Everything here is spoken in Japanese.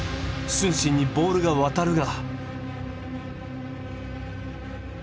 承信にボールが渡るが。